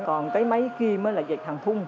còn cái máy kim là dệt hàng thung